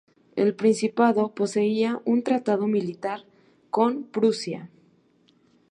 El Principado poseía un tratado militar con Prusia.